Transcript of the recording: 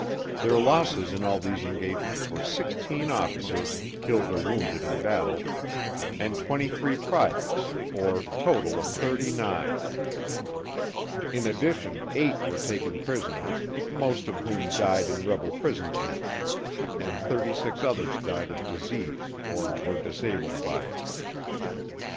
Their losses in all these engagements were sixteen officers, killed or wounded in battle, and twenty three privates, or total of thirty nine. In addition, eight were taken prisoners, most of whom died in rebel prison pens; and thirty six others died of disease or were disabled by it.